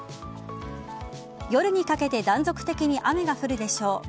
夜にかけて断続的に雨が降るでしょう。